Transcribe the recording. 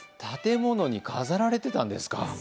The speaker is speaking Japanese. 建物に飾られていたんですか。